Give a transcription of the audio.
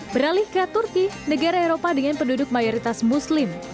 beralih ke turki negara eropa dengan penduduk mayoritas muslim